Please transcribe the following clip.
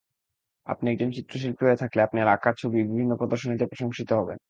আপনি একজন চিত্রশিল্পী হয়ে থাকলে আপনার আঁকা ছবি বিভিন্ন প্রদর্শনীতে প্রশংসিত হবে।